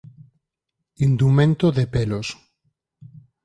Indumento de pelos.